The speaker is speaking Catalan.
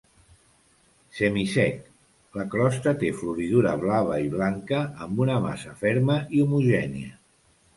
Semisec, la crosta té floridura blava i blanca, amb una massa ferma i homogènia.